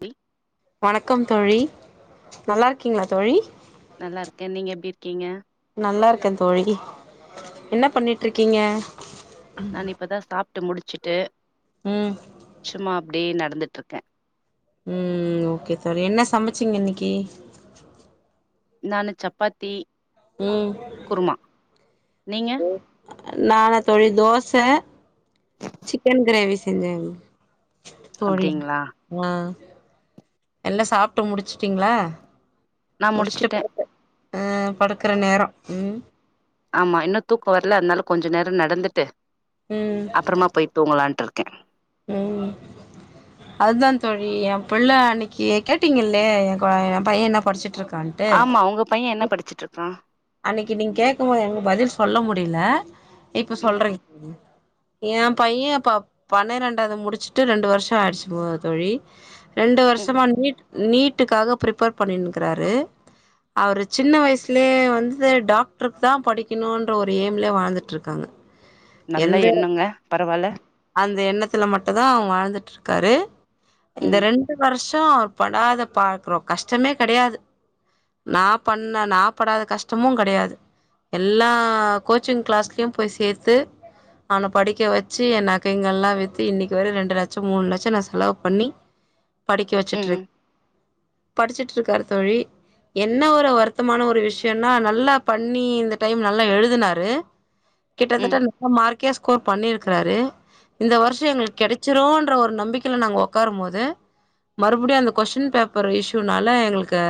We வணக்கம் தோழி நல்லாருக்கீங்களா தோழி நல்லாருக்கே நீங்க எப்படி இருக்கீங்க நல்லாருக்கே தோழி என்ன பண்ணிட்டு இருக்கீங்க நா இப்பதா சாப்ட்டு முடிச்சுட்டு ம் சும்மா அப்டியே நடந்துட்டு இருக்க ம் ஓகே தோழி என்ன சமைச்சிங்க இன்னைக்கு நானு சப்பாத்தி ம் குருமா நீங்க நானா தோழி தோச சிக்கன் கிரேவி செஞ்சங் தோழி அப்டிங்களா ஆ எல்லா சாப்ட்டு முடிச்சுட்டீங்ளா நா முடிச்சுட்டே முடிச்சுட்டு அ படுக்குற நேர ம் ஆமா இன்னு தூக்க வரல அதனால கொஞ்சோ நேர நடந்துட்டு ம் அப்பறமா போய் தூங்கலான்ட்டு இருக்க ம் அதுதா தோழி என் புள்ள அன்னக்கி கேட்டிங்கல்ல என் பைய என்ன படிச்சிட்ருக்கானு ஆமா உங்க பைய என்ன படிச்சுட்ருக்கா அன்னைக்கு நீங்க கேக்கு போது எங்க பதில் சொல்ல முடில இப்ப ம் சொல்றங்க எ பைய இப்ப பன்னிரெண் ஆவது முடிச்சுட்டு ரெண்டு வருஷ ஆய்டுச்சு தோழி ரெண்டு ம் வருஷமா நீட் நீட்டுக்காக ப்ரிப்பேர் பண்ணிங்கிறாரு அவரு சின்ன வயசுலயே வந்து டாக்டருக்கு தா படிக்கணுன்ற ஒரு எய்ம்ல வாழ்ந்துட்டு இருக்காங்க நல்லா எந்த எண்ணுங்க பரவால்ல அந்த எண்ணத்துல மட்டு்தா அவுங்க வாழ்ந்துட்டு இருக்காரு இந்த ம் ரெண்டு வருஷோ படாத பாட்கறோ கஷ்டமே கடையாது நா பண்ண நா படாத கஷ்டமு கடையாது எல்லா கோச்சிங் கிளாஸ்லேயு போய் சேர்த்து அவன படிக்க வச்சு எ நகைங்கல்லா வித் இன்னைக்கு வர ரெண்டு லட்சோ மூணு லட்சோ நா செலவு பண்ணி படிக்க வச்சுட்டு ம் இருக் படிச்சிட்டு இருக்காரு தோழி என்ன ஒரு வருத்தமான ஒரு விஷயோன்னா நல்லா பண்ணி இந்த டைம் நல்லா எழுதனாரு ம் கிட்டத்தட்ட நல்ல மார்க்கே ஸ்கோர் பண்ணிருக்காரு இந்த வருஷ் எங்களுக்கு கிடைச்சிடுன்ற ஒரு நம்பிக்கைல நாங்க உக்காரும் போது மறுபடியு அந்த கொஸ்டின் பேப்பர் இஷூனால எங்களுக்கு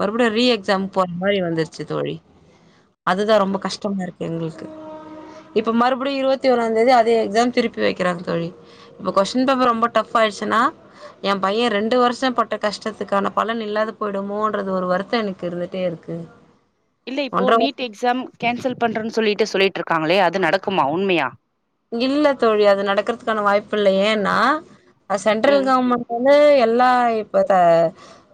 மறுபடியு ரீ எக்ஸாம் போற மாரி வந்துரு ச்சு தோழி அதுதா ரொம்ப அப்டி கஷ்டமா இருக்கு. எங்களுக்கு இப்போ மறுபடியு இருபத்தி ஒறாந்தேதி அதே எக்ஸாம் திருப்பி வைக்கிறாங்க தோழி. இப்ப கொஸ்டின் பேப்பர் ரொம்ப டஃப் ஆய்டுச்சுன்னா. எ பையன் ரெண்டு வருஷோ பட்ட கஷ்டத்துக்கான பலன் இல்லாத போயிடுமோன்றது ஒரு வருத்தோ எனக்கு இருந்துட்டே இருக்கு. இல்ல இப்போ ஒன்ற வருஷ நீட் எக்ஸாம் கேன்சல் பண்றன்னு சொல்லிட்டு சொல்லிட்ருக்காங்களே அது நடக்குமா உண்மையா இல்ல தோழி அது நடக்குறதுக்கான வாய்ப்பு இல்ல ஏன்னா அது சென்ட்ரல் ம் கவர்மெண்ட் வந்து எல்லா இப்ப த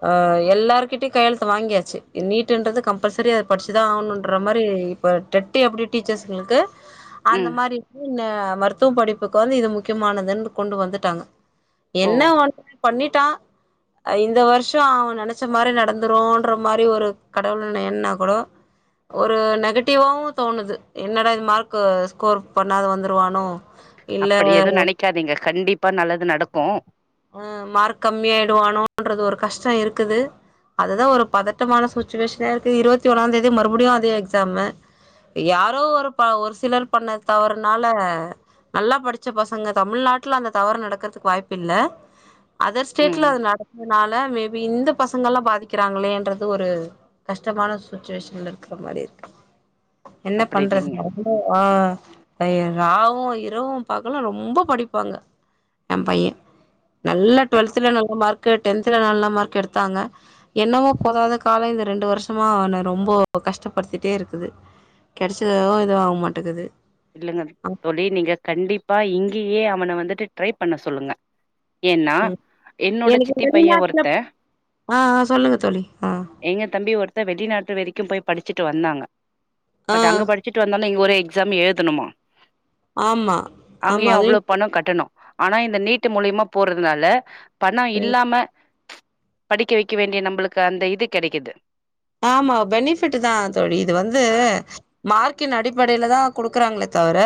அ எல்லார்கிட்டயு கையெழுத்து வாங்கியாச்சு நீட்டுன்றது கம்பல்சரியா அத படிச்சுதா ஆவணுன்ற மாரி இப்ப டெட்டு எப்படி டீச்சர்ஸ்களுக்கு அந்த ம் மாரிக்குனு மருத்துவ படிப்புக்கு வந்து இது முக்கியமானதுன்னு கொண்டு வந்துட்டாங்க ஓ என்ன ஒண்ணு பண்ணிட்டான். இந்த வருஷோ அவ நனைச்ச மாரி நடந்துருன்ற மாரி ஒரு கடவுளோட என்னன்னா கூடு ஒரு நெகட்டிவாவு தோணுது என்னடா இது மார்க்கு ஸ்கோர் பண்ணாத வந்துருவானோ அப்படி இல்ல எது நனைக்காதீங்க கண்டிப்பா நல்லது நடக்கு அ மார்க் கம்மியாயிடுவானோன்றது ஒரு கஷ்டோ இருக்குது அதுதா ஒரு பதட்டமான சுச்சுவேஷன இருக்கு இருவத்தி ஒன்னாதேதி மறுபடியு அதே எக்ஸாமு யாரோ ஒரு ப ஒரு சிலர் பண்ண தவறுனால நல்லா படிச்ச பசங்க தமிழ்நாட்ல அந்த தவறு நடக்கறதுக்கு வாய்ப்பு இல்ல அதர் ஸ்டேட்ல ம் அது நடக்குறனால மேபி இந்த பசங்கள்ல்லா பாதிக்கிறாங்களேன்றது ஒரு கஷ்டமான சுச்சுவேஷன்ல இருக்கற மாரி இருக்கு என்ன அப்டி பண்றது இல்லைங்க ஆ எ ராவு‌ இரவு பகலு ரொம்ப படிப்பாங்க. எ பையன் நல்லா க டுவெல்த்ல நல்ல மார்க்கு டென்த்துல நல்ல மார்க்கு எடுத்தாங்க என்னவோ போதாத காலோ இந்த ரெண்டு வருஷமா அவன ரொம்போ கஷ்டப்படுத்திட்டே இருக்குது. கிடச்சது எது இதுவாக மாட்டேங்கிது இல்லைங்க தோழி நீங்க கண்டிப்பா இங்கேயே அவன வந்துட்டு ட்ரை பண்ண சொல்லுங்க. ஏன்னா ம் என்னோட எனக்கு சித்தி பையன் வெளிநாட்டுல ஒருத்தன் ஆ ஆ சொல்லுங்க தோழி ஆ எங்க தம்பி ஒருத்தர் வெளிநாட்டு வரைக்கும் போய் படிச்சுட்டு வந்தாங்க ஆ பட் அங்க படி ச்சுட்டு வந்தோனே இங்க ஒரு எக்ஸாம் எழுதணுமா ஆமா ஆமா அங்கயு அது அவ்ளோ பணோ கட்டணு ஆனா இந்த நீட்டு மூலியமா போறதுனால பணோ ம் இல்லாம படிக்க வைக்க வேண்டிய நம்புளுக்கு அந்த இது கெடைக்கிது. ஆமா பெனிஃபிட்டு தா தோழி இது வந்து மார்க்கின் அடிப்படைல தா குடுக்குறாங்களே தவர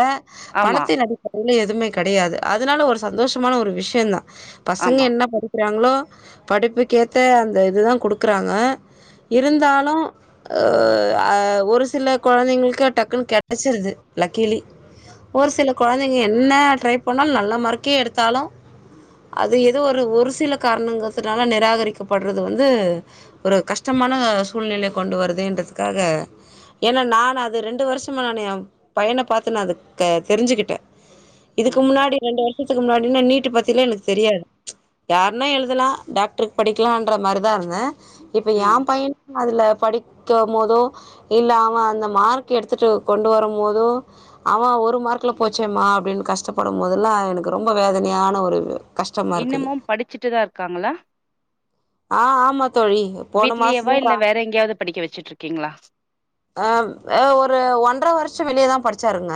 ஆமா பணத்தின் அடிப்படைல எதுவுமே கெடையாது. அதனால ஒரு சந்தோஷமான ஒரு விஷ்யந் தா பசங்க ஆமா என்ன படிக்கிறாங்ளோ படிப்புக்கேத்த அந்த இது தா கொடுக்குறாங்க. இருந்தாலு அ அ ஒரு சில கொழந்தைங்கள்க்கு டக்குன்னு கெடச்சிருது லக்கீலி ஒரு சில கொழந்தைங்க என்ன ட்ரை பண்ணாலு நல்ல மார்க்கே எடுத்தாலு அது ஏதோ ஒரு ஒரு சில காரணங்கத்துனால நெராகரிக்கப்பட்றது வந்து ஒரு கஷ் கஷ்டமான சூழ்நிலை கொண்டு வருதுன்றதுக்காக ஏனா நானு அது ரெண்டு வருஷமா நானு எ பையன பாத்து நா அதுக்க தெரிஞ்சுக்கிட் இதுக்கு ஆமாங்க முன்னாடி ரெண்டு வருஷத்துக்கு முன்னாடினா நீட்டு பத்திலா எனக்கு தெரியாத் யாருன்னா எழுதலா டாக்டருக்கு படிக்கலான்ற மாரிதா இருந்த இப்ப எ ம் பைய அதுல படிக்க போதோ இல்ல அவ அந்த மார்க் எடுத்துட்டு கொண்டு வரும் போதோ ஆமா ஒரு மார்க்ல போச்சேமா அப்டின் கஷ்டப்படு போதெல்லா எனக்கு ரொம்ப வேதனையான ஒரு கஷ்டமா இருக்குது இன்னமு படிச்சிட்டுதா இருக்காங்களா. ஆ ஆமா தோழி போன வீட்லேயேவா இல்ல மாசந்தா வேற எங்யாவது படிக்க வெச்சிட்ருக்கீங்ளா அ ம் அ ஒரு ஒன்ற வருஷோ வெளியதா படிச்சாருங்க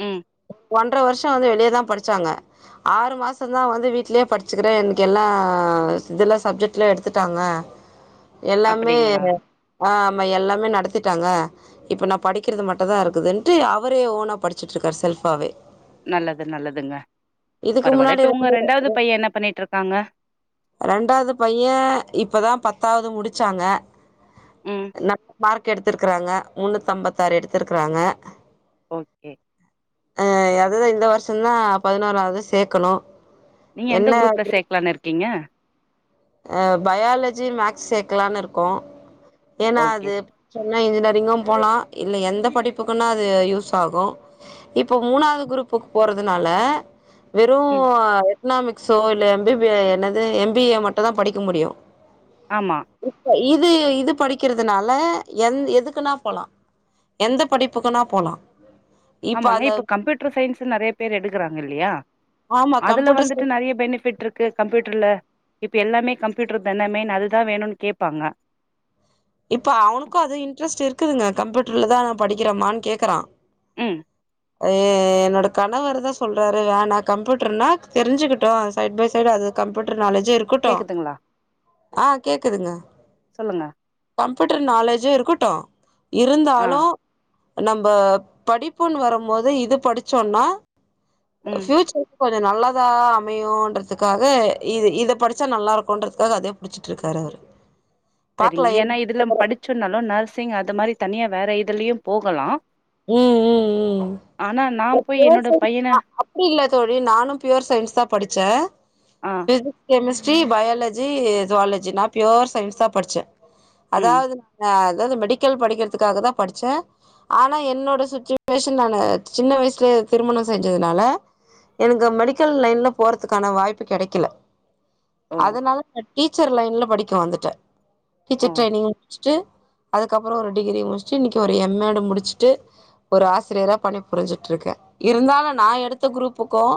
ம் ஒன்ற வருஷோ வந்து வெளியதா படிச்சாங்க ஆறு மாசந்தா வந்து வீட்லே படிச்சிக்கிறே எனுக் எல்லா இதுல்லா சப்ஜெட்ல எடுத்துட்டாங்க எல்லாமே அப்டிங்களா ஆமா எல்லாமே நடத்திட்டாங்க இப்ப நா படிக்கிறது மட்டுதா இருக்குதுன்ட்டு அவரே ஓனா படிச்சிட்ருக்காரு செல்ஃபாவே நல்லது நல்லதுங்க இதுக்கு பரவால முன்னாடி இப்ப உங்க ரெண்டு ரெண்டாவது பைய என்ன பண்ணிட்ருக்காங்க ரெண்டாவது பைய இப்பதா பத்தாவது முடிச்சாங்க ம். நல்ல மார்க் எடுத்திருக்றாங்க முன்னூத்தம்பத்தாறு எடுத்துருக்றாங்க ஓக்கே அ அதுதா இந்த வருஷந்தா பதினோராவது சேக்கனு நீங்க எந்த குரூப்ல சேக்லான் இருக்கீங்க அ பயாலஜி மேக்ஸ் சேக்கலான் இருக்கோ ஏனா ஓகே. அது சொன்னா இன்ஜினியரிங்கு போலா இல்ல எந்த படிப்புக்குன்னா அது யூஸ் ஆகு இப்போ மூணாவது குரூப்புக்கு போறதுனால வெறு ம். எக்கனாமிக்ஸோ இல்ல எம் பி பி என்னது எம் பி ஏ மட்டு தா படிக்க முடியு ஆமா இப்ப இது இது படிக்கிறதுனால எ எதுக்குன்னா போலா எந்த படிப்புக்குன்னா போலா இப்ப ஆமாங்க அந்த இப்போ கம்ப்யூட்டர் சயின்ஸு நெறைய பேர் எடுக்கறாங்க இல்லையா ஆமா அதுல கம்ப்யூட்டர் வந்துட்டு சயின்ஸ் நெறய பெனிப்பிட்ருக் கு கம்ப்யூட்டிர்ல இப்ப எல்லாமே கம்ப்யூட்டர்தான மெய்ன் அதுதா வேணுன் கேப்பாங்க இப்ப அவனுக்கு அது இன்ட்ரெஸ்ட் இருக்குதுங்க கம்யூட்டர்லதா நா படிக்கிறமான் கேக்கறா ம் அது என்னோட கணவர்தா சொல்றாரு வேனா கம்ப்யூட்டர்னா தெரிஞ்சிக்கிட்டோ சைட் பை சைடு அது கம்ப்யூட்டர் நாலேஜு இருக்கட்டு கேக்குதுங்களா? ஆ கேக்குதுங்க சொல்லுங்க கம்ப்யூட்டர் நாலேஜு இருக்குட்டு ஆ. இருந்தாலு நம்ப படிப்பூன் வரும்போது இது படிச்சோன்னா ம். ஃப்யூச்சர் கொஞ்சோ நல்லதா அமையுன்றதுக்காக இது இத படிச்சா நல்லாருக்குன்றதுக்காக அதே புடிச்சிட்டுருக்காரு அவ்ரு செரிங்க என்னா இதுல படிச்சொன்னாலு நர்சிங் அது மாரி தனியா வேற இதுலியும் போகலா ம் ம் ம் ஆனா நா இந்த பியூர் சயின்ஸ் அப்டி இல்ல தோழி நானும் பியூர் சய்ன்ஸ் தா படிச்சே ஆ. இது கெமிஸ்ட்ரி பயொலஜி ஜுவாலஜி நா பியூர் சய்ன்ஸ் தா படிச்சே ம். அதாவ்து நா அதாவ்து மெடிக்கல் படிக்கற்துக்காகதா படிச்சே நா என்னோட சுச்சுவேஷன் நானு சின்ன வய்ஸ்லயே திருமண செஞ்சதுனால எனக்கு மெடிக்கல் லைன்ல போறதுக்கான வாய்ப்பு கெடைக்கல ஓ. அதனால டீச்சர் லைன்ல படிக்க வந்துட்ட ஓ. டீச்சர் ட்ரெய்னிங் முடிச்சிட்டு அதுக்கப்பறோ டிகிரி முடிச்சிட்டு இன்னிக்கி ஒரு எம் ஏ டு முடிச்சி ட்டு ஒரு ஆசிரியரா பணி புரிஞ்சுட்ருக்கே இருந்தாலு நா எடுத்த குரூப்புக்கும்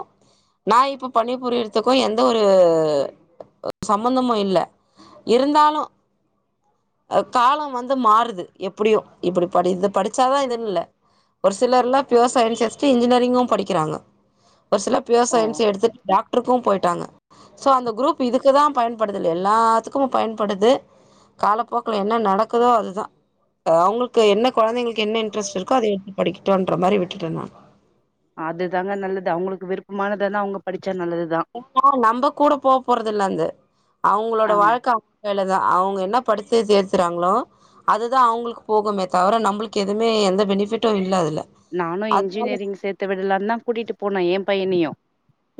நா இப்ப பணிபுரியற்துக்கு எந்த ஒரு சம்மந்தமு இல்ல இருந்தாலு காலம் வந்து மாறுது எப்டியும் இப்டி படி இது படிச்சாதா இது இல்ல ஒரு சிலர்ல்லா பியூர் சய்ன்ஸ் எஸ் டி இன்ஜினெரிங்கும் படிக்கிறாங்க ஒரு சில பியூர் ஓ. சய்ன்ஸ் எடுத்துட் டாக்டருக்கும் போய்ட்டாங்க சோ அந்த குரூப் இதுக்கு தான் பயன்படுதுல்ல எல்லாத்துக்கும் பயன்படுது காலப்போக்கல என்ன நடக்குதோ அதுதான் அவுங்களுக்கு என்ன கொழந்தங்களுக்கு என்ன இன்ட்ரெஸ்ட் இருக்கோ அது எ படிக்கட்டுன்ற மாரி விட்டுட்ட நான் அதுதாங்க நல்லது அவுங்களுக்கு விருப்பமானதானான் அவுங்க படிச்சா நல்லதுதான் நம்ப கூட போக போறது இல்ல அந்து அவுங்களோட ஆமா வாழ்க்க வேலதான் அவுங்க என்ன படிச்சு சேச்சுறாங்களோ அதுதான் அவுங்களுக்கு போகுமே தவிர நம்பளுக்கு எதுவுமே எந்த பெனிஃபிட்டும் இல்ல அதுல நானும் அது இன்ஜினியரிங் சேத்து விடலானு தான் கூட்டிட்டு போனேன் என் பையனயும்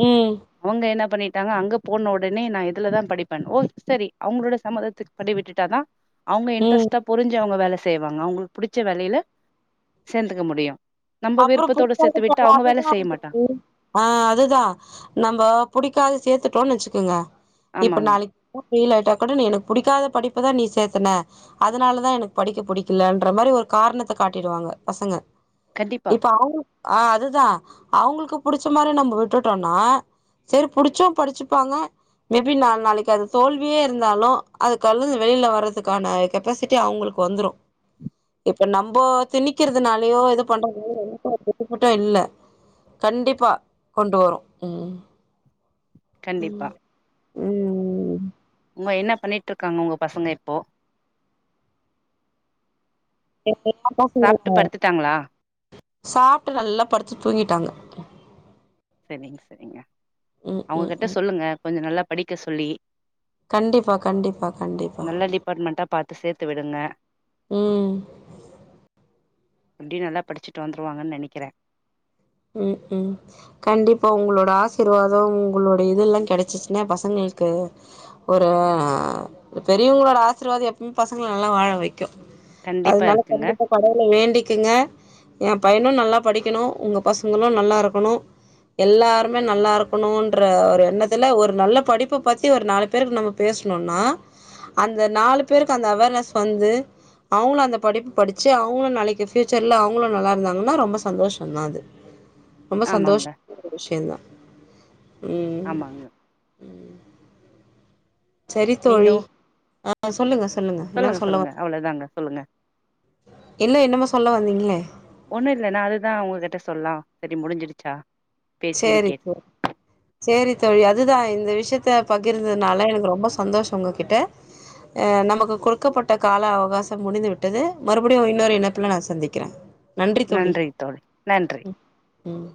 ம் அவுங்க என்ன பண்ணிட்டாங்க அங்க போன உடனே நான் இதுலதான் படிப்பேன் ஓ சரி அவுங்களோட சம்மதத்துக்கு பண்ணி விட்டுட்டாதான் அவுங்க ம் இன்ட்ரெஸ்ட்டா புரிஞ்சு அவுங்க வேல செய்வாங்க அவுங்களுக்கு புடிச்ச வேலயில சேந்துக்க முடியும் அப்பறோ புடிக்காதும்பல அதுதான் செய்ய மாட்டாங்க இருந்துருக்கு ஆண அதுதான் நம்போ புடிக்காது சேத்துட்டோம்ன்னு வச்சுக்கோங்க இப்ப ஆமாங்க நாளை புட் பெயிலாயிட்டா கூட நீ எனக்கு புடிக்காத படிப்பதான் நீ சேத்தன அதனாலதான் எனக்கு படிக்க புடிக்கலன்ற மாரி ஒரு காரணத்தை காட்டிடுவாங்க பசங்க கண்டிப்பா இப்ப அவ்ங்கு ஆ அதுதா அவ்ங்களுக்கு புடிச்ச மாரி நம்போ விட்டுட்டோன்னா செரி புடிச்சும் படிச்சுப்பாங்க மே பி நா நாளைக்கி அது தோல்வியே இருந்தாலு அதுக்கல்லுது வெயில்ல வர்றதுக்கான கெப்பாசிட்டி அவ்ங்களுக்கு வந்துரு இப்ப நம்போ திணிக்கிறதுனாலயோ இது பண்ற [unintelligible] புட்ட இல்ல கண்டிப்பா கொண்டு வரு ம் ம் கண்டிப்பா ம் ம் உங்க என்ன பண்ணிட்ருக்காங்க உங்க பசங்க இப்போ என்னென்லா தா செய்றீங்க சாப்ட்டு படுத்துட்டாங்களா சாப்ட்டு நல்லா படுத்து தூங்கிட்டாங்க செரிங்க செரிங்க ம் ம் அவுங்ககிட்ட ம் சொல்லுங்க கொஞ்ச நல்லா படிக்க சொல்லி கண்டிப்பா கண்டிப்பா கண்டிப்பா பாட்மெண்ட்டா பாத்து சேத்து விடுங்க ம் அப்டியே நல்லா படிச்சிட்டு வந்துருவாங்கன் நெனைக்கிறே ம் ம் கண்டிப்பா உங்ளோட ஆசிர்வாதோ உங்களோட இது எல்லா கெடச்சிச்சுன்னா எ பசங்கள்க்கு ஒரு பெரியவங்களோட ஆசீர்வாதோ எப்பமே பசங்கள நல்லா வாழ வைக்கு கண்டிப்பா அதுனால இருக்குங்க கண்டிப்பா கடவுள வேண்டிக்குங்க எ பையனு நல்லா படிக்கணு உங்க பசங்களு நல்லாருக்கணு எல்லாருமே நல்லாருக்கணுன்ற ஒரு எண்ணத்துல ஒரு நல்ல படிப்ப பத்தி ஒரு நாலு பேருக்கு நம்ம பேஸ்ணுன்னா அந்த நாலு பேருக்கு அந்த அவேர்னஸ் வந்து அவுங்களு அந்த படிப்பு படிச்சி அவுங்களு நாளைக்கு ஃப்யூச்சர்ல அவுங்களு நல்லார்ந்தாங்கன்னா ரொம்ப சந்தோஷந்தா அது ரொம்ப ஆமாங்க சந்தோஷமான ஒரு விஷ்யந்தா ம் ஆமாங்க ம் சரி நீங்க தோழி ஆ சொல்லுங்க சொல்லுங்க என்னமோ சொல்ல வந் அவ்ள தாங்க சொல்லுங்க இல்ல என்னமோ சொல்ல வந்தீங்ளே ஒன்னு இல்ல நா அதுதா உங்ககிட்ட சொல்லா செரி முடிஞ்சிடுச்சா பேசின்னு சேரி கேட் சேரி சேரி தோழி அதுதா இந்த விஷ்யத்த பகிர்ந்தத்னால எனக்கு ரொம்ப சந்தோஷோ உங்ககிட்ட அ நமக்கு கொடுக்கப்பட்ட கால அவகாசம் முடிந்து விட்டது மறுபடியு இன்னோரு இணைப்புல நா சந்திக்கிறே நன்றி தோழி தோழி நன்றி ம் ம்